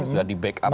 sudah di back up oleh